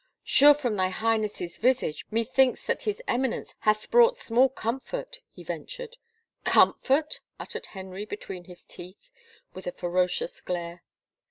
" Sure from thy Highness's visage, methinks that his Eminence hath brought small comfort," he ventured. "Comfort?" uttered Henry between his teeth, with a ferocious glare.